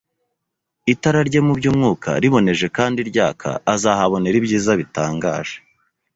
itara rye mu by’umwuka riboneje kandi ryaka, azahabonera ibyiza bitangaje